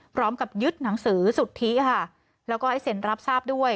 พร้อมกับยึดหนังสือสุทธิค่ะแล้วก็ให้เซ็นรับทราบด้วย